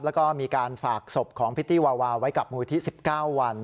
แล้วก็มีการฝากศพของพิตตี้วาวาไว้กับมูลที่๑๙วัน